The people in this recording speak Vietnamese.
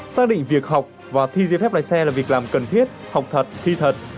xác định việc học và thi giấy phép lái xe là việc làm cần thiết học thật thi thật